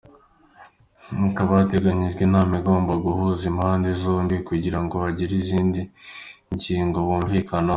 Hakaba hateganijwe inama igomba guhuza impande zombi kugira ngo bagire izindi ngingo bumvikanaho.